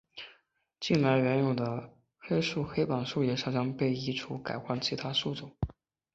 近来原有的路树黑板树也常常被移除改换其他树种。